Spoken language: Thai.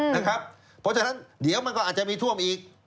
เพราะฉะนั้นเดี๋ยวมันก็อาจจะมีท่วมอีก